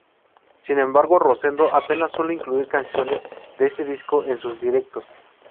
Sin embargo Rosendo apenas suele incluir canciones de este disco en sus directos.